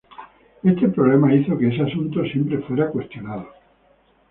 Ese problema hizo que ese asunto siempre fuera cuestionado.